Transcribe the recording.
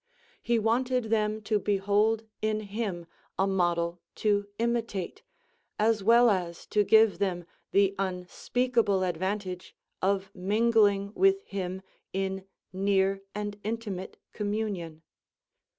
He wanted them to behold in Him a model to imitate, as well as to give them the unspeakable advantage of mingling with Him in near and intimate communion.